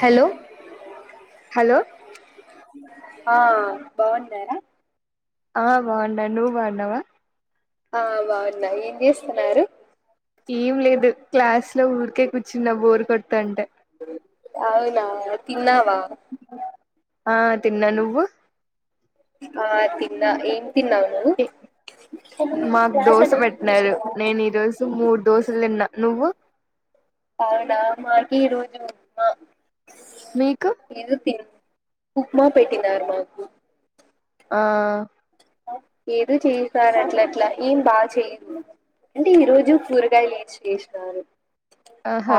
Hello hello! ఆ బాగున్నారా? ఆ బాగున్నా నువ్వు బాగున్నావా? ఆ బాగున్నా ఏం చేస్తున్నారు. ఏం లేదు క్లాస్ లో ఊరికే కూర్చున్న బోరు కొడతాంటే అవునా తిన్నావా? ఆ తిన్నా నువ్వు ఆ తిన్నా ఏం తిన్నావ నువు ఏ, మాకు దోశ పెట్టినరు నేను ఈరోజు మూడు దోశలు తిన్నా నువ్వు అవునా మాకి ఈ రోజు మా మీకు ఏదో తిన ఉప్మా పెట్టినారు మాకు ఆ ఏదో చేసారు అట్ల అట్లా ఏం బాగా చెయ్యదు అంటే ఈ రోజు కూరగాయ లేచి చేసినారు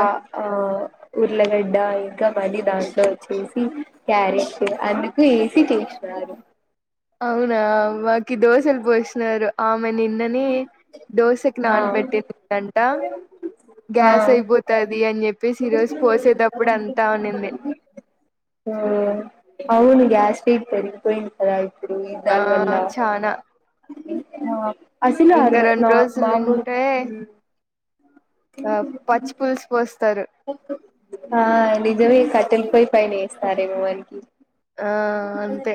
ఆ ఆ ఉర్లగడ్డ ఇంకా మల్లి దాంట్లో వచ్చేసి క్యారెట్ అందుకు వేసి చేసి రాను అవునా మకి దోసలు పోసినారు ఆమె నిన్నని దోశకి ఆ నానబెట్టిందింట ఆ గ్యాస్ అయిపోతది అని చెప్పి ప్పేసి ఈ రోజు పోసేటప్పుడు అంతా ఉనింది ఆ అవును గ్యాస్ పిక్తది పోయింది కదా ఇప్పుడు ఆ ఇందాని వల్ల చానా ఇంకా రెండు [inaudible] ఆ పచ్చి పులుసు పోస్తారు ఆ నిజమే కట్టెలపోయి పైన ఇస్తారేమో వానికి ఆ అంతే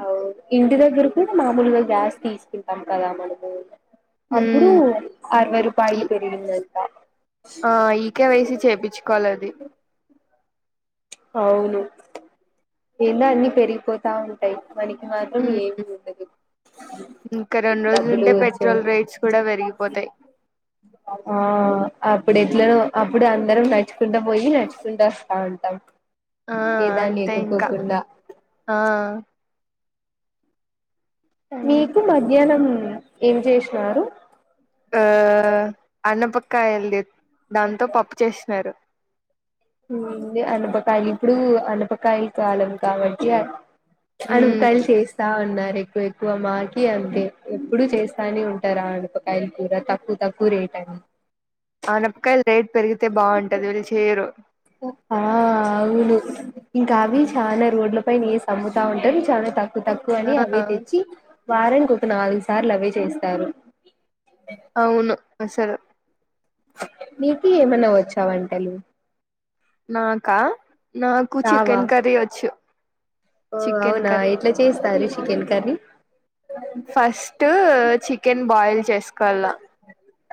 అవు ఇంటి దగ్గర కూడా మామూలుగా గ్యాస్ తీసుకుంటాం కదా మనము అప్పుడు ఉమ్ అరవై రూపాయలు ఈ- పెరిగిందంత ఆ ఈకే వైసీ చేపీచుకోవాలి అది అవును ఏందో అన్ని పెరిగిపోతా ఉంటాయి. మని మాత్రం ఉమ్, ఏవి ఉండదు ఇంకా రెండు డబ్బులు రోజులుంటే పెట్రోల్ వచ్చే రేట్స్ కూడా పెరిగిపోతాయి ఆ అప్పుడు ఎట్లనో అప్పుడు అందరం నడుచుకుంటూ పోయి నడుచుకుంటూ వస్తా ఉంటాం ఆ ఏదాని అంతే ఇంకా ఆ మీకు ఆ మధ్యాహ్నం ఏం చేసిన ఆ అన్నపక్కాయ ఎం లేదు దాంతో పప్పు చేసినారు అనపకాయలు ఇప్పుడు అనపకాయల కాలం కాబట్టి ఉమ్ అనుతలి చేస్త ఉన్నారు ఎక్కువ ఎక్కువ మాకి అంతే ఎప్పుడు చేస్తానే ఉంటారు ఆడపకాయలు కూర తక్కువ తక్కువ రేటింది అనపకాయల్ రేట్ పెరిగితే బాగుంటది వీళ్ళు చేయరు ఆ అవును ఇంకా అవి చాల రోడ్ల పైన నీస్ అమ్ముతా ఉంటారు చాలా తక్కువ తక్కువ అని ఆ అవే తెచ్చి వారన్కి ఒక నాలుగు సార్లు అవే చేస్తారు అవును అసలు నీకి ఏమైనా వచ్చావంటలు నాకా నాకు రావా చికెన్ కర్రీ వచ్చు ఓ చికెన్ అవునా కర్రీ ఎట్లా చేస్తారు chicken curry first chicken boil చేసుకోలా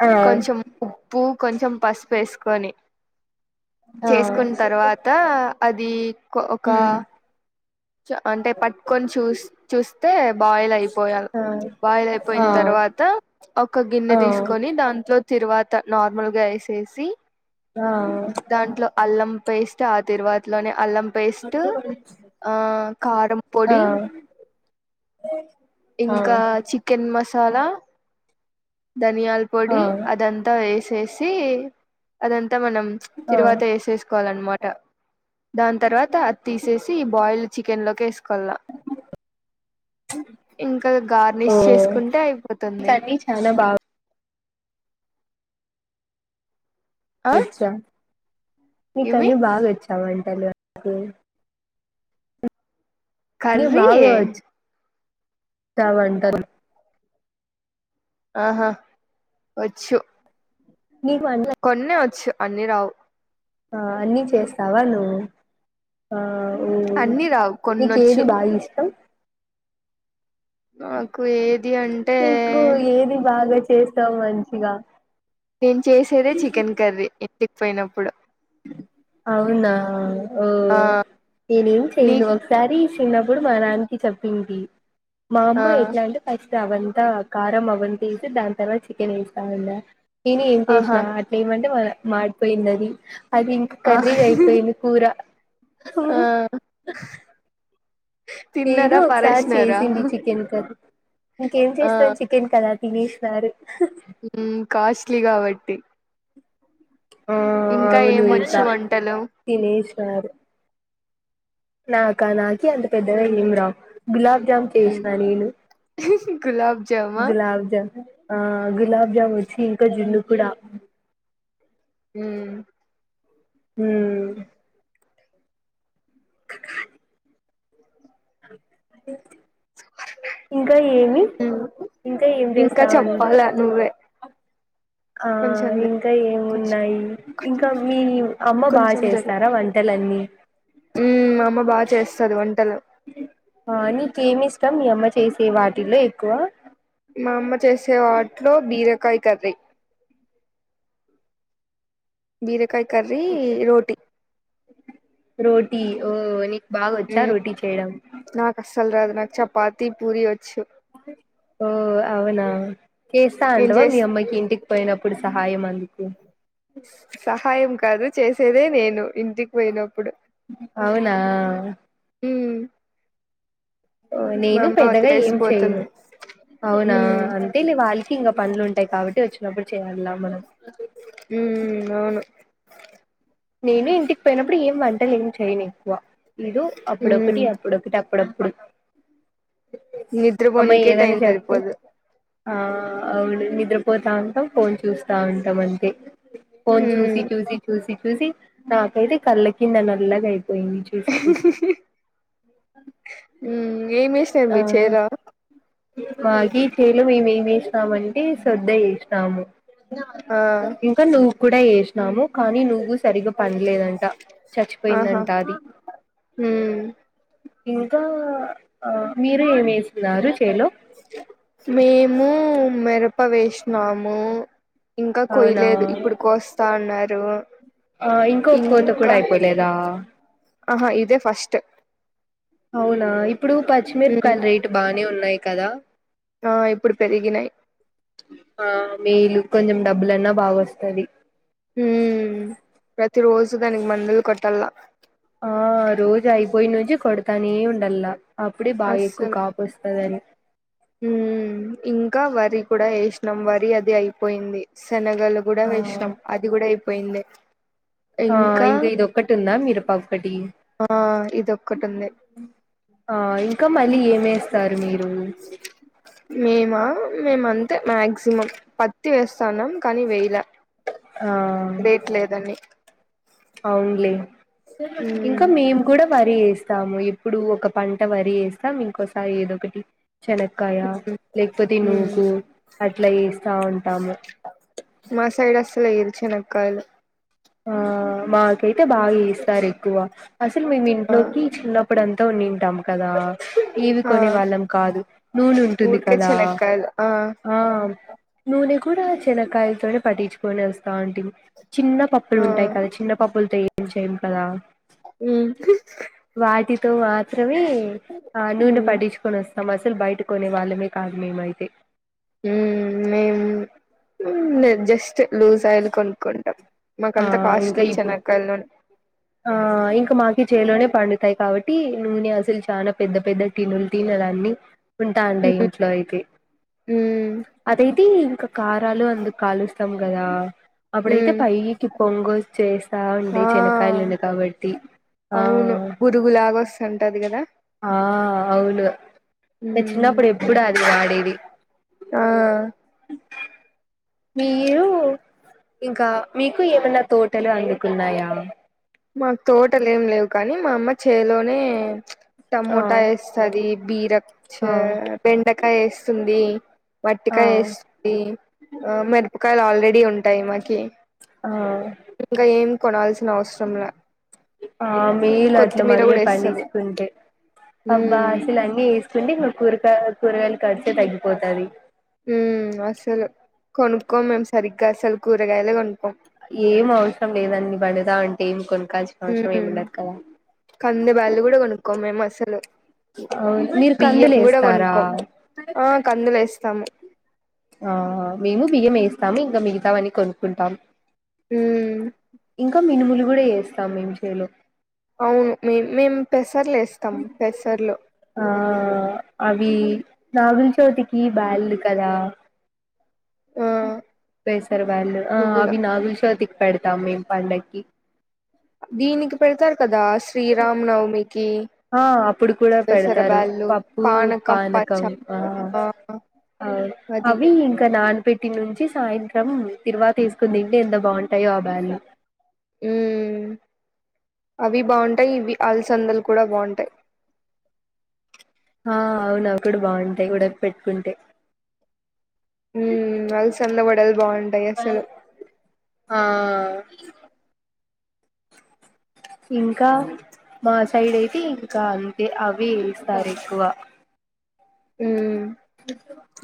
ఆ కొంచెం ఉప్పు కొంచెం పసుపెసుకొని ఆ చేసుకున్న తర్వాత అది ఒక ఉమ్ చ అంటే పట్టుకొని చూస్ చూస్తే బాయిల్ అయిపోయాలి ఆ ఆ బయిల్యిపోయిన తర్వాత ఒక గిన్నె ఆ తీసుకొని ఆ దాంట్లో తరువాత నార్మల్గా వేసేసి ఆ దాంట్లో అల్లం వేస్తె ఆ తిరువాతిలోనే అల్లం అ పేస్ట్ [unintelligible] ఆ కారం పొడి ఆ ఇంకా చికెన్ మసాలా ధనియాల ఆ పొడి అదంతా వేసేసి అదంతా మనం ఆ తరువాత వేసేసుకోవాలన్నమాట దాని తర్వాత అది తీసేసి బాయిల్ చికెన్ లో లా ఇంకా గార్నిష్ చేసుకుంటే అయిపోతుంది చనా బాగ్ ఆ మీక ఇవి అన్నీ బాగా వచ్చా వంటలు కర్రీ చవంటరు ఆహా వచ్చు మీకు చు అన్ని రావు ఆ అన్ని చేస్తావా నువ్వు ఆ అన్ని రావు కొన్నొచ్చు నీకేది బాగా ఇష్టం నాకు ఏది అంటే మీకు ఏది బాగా చేస్తావు మంచిగా నేను చేసేదే చికెన్ కర్రీ ఇంటికి పోయినప్పుడు అవునా ఓ ఆ నేనేం నీ చెయ్యను ఒకసారి చిన్న అప్పుడు మా నాన్నకి చెప్పింది మా ఆ అమ్మ ఎట్లా అంటే ఫస్ట్ అవన్ంతా కారం అవన్ని తీసి దాని తర్వాత చికెన్ వేస్థా నేను ఏం ఆహా చేసిన అట్లా ఏమంటే మాడిపోయింది అది ఐ మీన్ ఆ కర్రీ ఇంకా అయిపోయింది కూర ఆ నేను తిన్నారా ఒకసారి పరేసినారా చేసింది చికెన్ కది ఇంకేం ఆ చేస్తాది చికెన్ కద తినేస్తారు కాస్ట్లీ కాబట్టి ఆ ఇంకా అవును ఏమొచ్చు ఈదా వంటలు తినేశారు నాకా నాకి అంత పెద్దగా ఏం రావు గులాబ్జామ్ చేసిన నేను గులాబ్ జామా గులాబ్జాము ఆ గులాబ్ జామున్ వచ్చి ఇంకా జున్ను అప్పుడ మ్ మ్ [unintelligible] అ ఇంకా ఏమి ఇంకా ఏమి ఇంకా చేస్తావుడి చెప్పాలా నువ్వే ఆ కొంచెం ఇంకా కొంచెం ఏమున్నాయి ఇంకా మీ అమ్మ బాగా చేస్తారా వంటలు అన్ని ఉ మామ్మ బాగా చేస్తది వంటలు ఆ నీకేమి ఇష్టం మీ అమ్మ చేసే వాటిల్లో ఎక్కువ మామ్మ చేసే వాటిలో బీరకాయ కర్రీ బీరకాయ కర్రీ రోటీ రోటీ ఓ నీకు బాగా వచ్చా రోటీ చేయడం చల అది నాకు చపాతి పూరి వచ్చు ఓ అవునా కేస్తా నేను అండవా మీ చేస్ అమ్మకి ఇంటికి పోయినప్పుడు సహా అందికు సహాయం కాదు చేసేదే నేను ఇంటికి పోయిన అవునా మ్మ్ మా నేను అమ్మ పెద్దగా ఏం చెయ్యను వదిలేసిపోతుంది అవునా మ్మ్ అంటే వాళ్ళకి ఇంకా పనులు ఉంటాయి కాబట్టి వచ్చినప్పుడు చేయాలలా మనం ఉ అవును నేను ఇంటికి పోయినప్పుడు ఏం వంటలు ఏం చెయను ఎక్కువ ఇది మ్మ్ అప్పుడొకటి అప్పుడొకటి అప్పు పప్పుడుడు నిద్రపోోనిికే టైం తరిపోదు ఆ అవును నిద్రపోతా ఉంటాం ఫోన్ చూస్తా ఉంటాం అంతే ఫోన్ మ్మ్ చూసి చూసి చూసి చూసి నాకైతే కళ్ళ కింద నల్లగయితుంది పో ని చీసి చసి ఏం చేేసినారు మీ చరా మాగీ చేలు మేము ఏమి చేేసినామ అంటే శ్రద్ద చేేసినాము ఆ ఇంకా నువ్వు కూడా వేసినాము కానీ నువ్వు సరిగా పనిలేదంట ఆహా చచ్చిపోయిందంట అది మ్మ్ ఇంకా మీరు ఏమిేస్తున్నారు మేము మిరప వేసినాము ఇంకా అవునా కొయలేదు ఇప్పుడుకిస్తా అన్నారు ఆ ఇంకో కోత కూడా ఇంకా అయిపోలేదా ఆహా ఇదే ఫస్ట్ అవునా ఇప్పుడు మ్మ్ పచ్చిమిరపకాయలు రేటు బానే ఉన్నాయి కదా ఆ ఇప్పుడు పెరిగినాయి్ ఆ మీలు కొంచెం డబ్బులన్నా బాగా వస్తుది హ ప్రతి రోజు దానికి మందులు కొట్టాల ఆ రోజు అయిపోయి నుంచి కొడతానే ఉండల్లా అప్పుడే బాగా ఎక్కువ కాపుస్తుందిని ఉ ఇంకా వరి కూడా వేసినాం వరి అది అయిపోయింది శనగ లు కూడా ఆ వేషాం అది కూడా అయిపోయింది ఆ ఇంకా ఇదిొక్కటి ఉందా మీరు ప ఆ ఇదిొక్కటి ఉంది ఆ ఇంకా మళ్ళీ ఏమేస్తారు మీరు మేము అంతే మాక్సిమం పత్తి వేస్తాన్నాం కానీ వేల ఆ దేట్ లేదండి అవునులే ఇంకా మ్మ్ మేము కూడా వరి వేస్తాము ఇప్పుడు ఒక పంట వరి వేస్తాం ఇంకోసారి ఏదో ఒకటి శనకాయ లేకపోతే మ్మ్ నుూ్గు అట్లా వేస్తా ఉంటాము మ సలు ఇరుచన కాాల ఆ మాకైతే బాగా ఇస్తారు ఎక్కువ అసలు మేము ఆ ఇంట్లోకి చిన్నప్పుడు అంతాంటాం కదా ఏవి ఆ కొనే వాళ్ళం కాదు నూనె ఉంటుంది ఊరికే కదా చెనక్కాయలు ఆ నూనె కూడా శనకాయలతోనే పట్టించుకొని వస్తాంటిమి చిన్న పప్పులు ఆ ఉంటాయి కదా చిన్న పప్పులతో ఏం చేయ్యము కదా మ్ వాటితో మాత్రమే ఆ నూనె మ్మ్ పడించుకొని వస్తాం అస్ అసలు బయటకోనే వాళ్ళమే కాదు మేమైతే హుమ్ మేం జస్ట్ లూజ్ ఆయిల్ కొనుక్కుంటాం మాక్ ఆ అంత ఇంకా కాస్ట్లీ ఇప్పుడు చెనకాయ్ లన్ ఆ ఇంకా మాకి చేలోనే పండుతాయి కాబట్టి నూనె అసలు చాలా పెద్ద పెద్ద టినులు టిన్ దాన్ని ఉంటా అంటాయ్ మ్మ్ ఇంట్లో అయితే మ్మ్ అదైతే ఇం కారాలు అందుకాలుస్తాం కదా అప్పుడైతే మ్మ్ పై్కి పొంగోచేస్త ఆ ఉండయ్ చేన కయలుడి కాబట్టి ఆ అవును పురుగులాగా వస్తుంటది కదా ఆ అవును మ్మ్ చిన్నప్పుడు ఎప్పుడు అది వాడేది ఆ మీరు ఇంకా మీకు ఏమన్నా తోటలు అందుకున్నాయా మాకు తోటలేం లేవు కానీ మా అమ్మ చేలోనే ఆ టమోటా ఎస్తది బీర ఆ చ్చ బెండకాయేస్తుంది ఆ వట్టికాయ్ ఎస్ డి ఆ మిరపకాయలు ఆల్రెడీ ఉంటాయి మాకి ఆ ఇంకా ఏం కొనాల్సిన అవసరంలా ఆ మేయిలు అట్ల కొత్తిమీర మనమే కూడా వేస్తది పండించుకుంటే అబ్బా ఉమ్ అసలు అన్నీ ఎస్ సుండి మ కూరగాయ కూరగాయలకర్చే తగ్గిపోతది హుమ్ అసలు కొనుక్కోం మేము సరిగ్గా అసలు కూరగాయలే కొనుక్కం ఏం అవసరం లేదు అన్ని పండుదా ఉంటే ఏం కొను కోవాల్సిన అవసరం ఎం ఉమ్ ఉండదు కద కంది బ్యాళ్లు కూడా కొనుక్కోం మేము అసలు అవు మీరు బియ్యం కూడా కందులేస్తారా కొనుక్కోం ఆ కందులు వేస్తాము ఆ మేము బియ్యం వేస్తాము ఇంకా మిగతవాన్ని కొనుకుంటాం హుమ్ ఇంకా మినుములు కూడా చేస్తాం మేం చేలో అవును మే మేము పెసర్లు వేస్తాము పెసర్లు మ్ నాగుల చవితికి బాల్లు కదా ఆ బేసర్ బండ్ అ నువ్వులు అవి నాగుల చవితికి పేడ్ టం మీమ్ పండక్కి దీనికి పెడతారు కదా శ్రీరామ్ నవమి ఆ అప్పుడు కూడా పెడతారు పప్పు పానకం ఆ ఆ అది అవి ఇంకా నానపెట్టి నుంచి సాయంత్రం తిరువా తీసుకుంని తింటే ఎంత బాగుంటాయో ఆ బ్యాల్లు మ్మ్ అవి బాగుంటాయ్ ఇవి అలసందలు కూడా బాగుంటాయి ఆ అవును అవి కూడ బాగుంటాయి ఉడక పెట్టుకుంటే మ్ అలసందగడలు బాగుంటాయి అసలు ఆ ఇంకా మా సైడ్ అయితే ఇంకా అంతే అవి వేస్తారు ఎక్కువ మ్మ్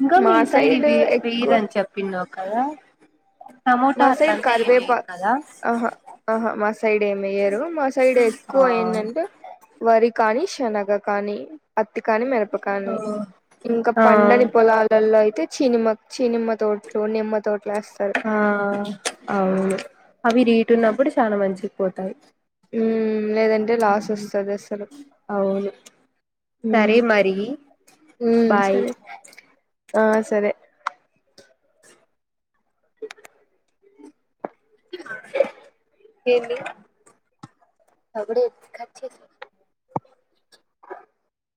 ఇంకా మీ సైడ్ ఇవి ఎక్కువ వెయరని చెప్పినవ్ కదా టమోటా మా సైడ్ అట్లంతా కరివేపా ఏమేయర్ కదా ఆహా ఆహా మా సైడ్ ఎం వెయ్యారు మా సైడ్ ఆ ఎక్కువ ఎందంటే వరి కానీ శనగ కానీ అట్ త్తి కాని మిరపకాని ఇంకా ఆ పండని ఆ పొలాలలో అయితే చి సినిమ చి సినిమ తోట్లు నిమ్మ తోట్లు వేస్తారు ఆ అవును అవి రీటు ఉన్నప్పుడు చాలా మంచిగా పోతాయి లేదంటే లాస్ వస్తాది అసలు అవును సరే మరి బాయ్ సరే ఆ సరే ఏంది [inaudible]